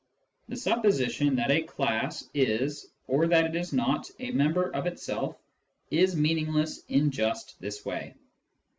The supposition that a class is, or that it is not, a member of itself is meaningless in just this way.